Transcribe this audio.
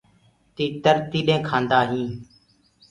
تيٚتر تيڏينٚ ڪآندآ هينٚ۔